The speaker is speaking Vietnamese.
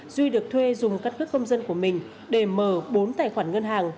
duy được thuê dùng các cước công dân của mình để mở bốn tài khoản ngân hàng